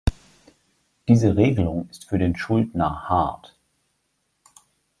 Diese Regelung ist für den Schuldner hart.